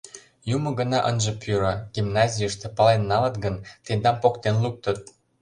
— Юмо гына ынже пӱрӧ, гимназийыште пален налыт гын, тендам поктен луктыт.